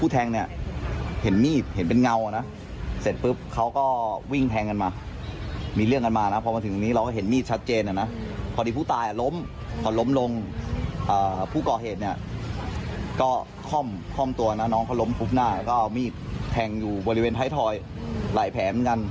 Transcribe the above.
แทงอยู่บริเวณไทยทอยหลายแผลเหมือนกัน